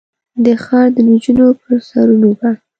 د ښار د نجونو پر سرونو به ،